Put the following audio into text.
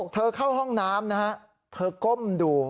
เข้าห้องน้ำนะฮะเธอก้มดู